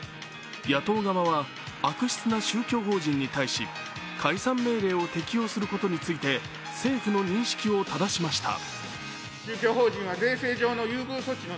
野党側は、悪質な宗教法人に対し、解散命令を適用することについて政府の認識をただしました。